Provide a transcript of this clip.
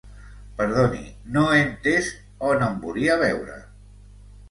Perdoni, no he entès on em volia veure.